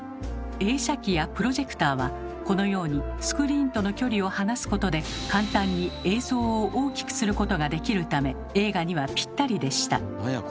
映写機やプロジェクターはこのようにスクリーンとの距離を離すことで簡単に映像を大きくすることができるため映画にはぴったりでした。